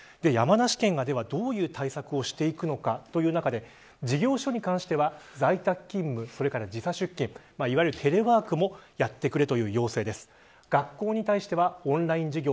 山梨県がどういう対策をしていくのかという中で事業所に関しては在宅勤務それから時差出勤いわゆるテレワークもやってくれという要請です。